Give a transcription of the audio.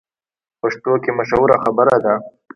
پښتو کې مشهوره خبره ده: